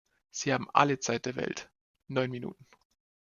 Sie haben alle Zeit der Welt, neun Minuten.